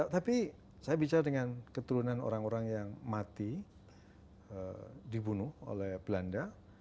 tapi saya bicara dengan keturunan orang orang yang mati dibunuh oleh belanda